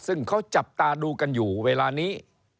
ซึ่งเขาจับตาดูกันอยู่เวลานี้